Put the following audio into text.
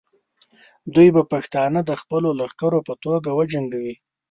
دوی به پښتانه د خپلو لښکرو په توګه وجنګوي.